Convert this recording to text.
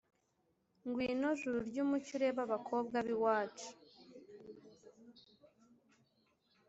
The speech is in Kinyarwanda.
Ngwino juru ry’umucyo urebe Abakobwa b’iwacu